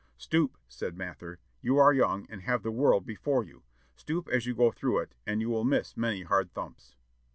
"'Stoop,' said Mather; 'you are young, and have the world before you; stoop as you go through it, and you will miss many hard thumps!'